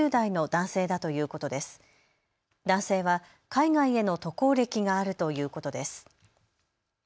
男性は海外への渡航歴があるということです。